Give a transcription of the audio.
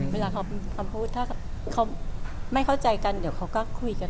เวลาเขามีคำพูดถ้าเขาไม่เข้าใจกันเดี๋ยวเขาก็คุยกัน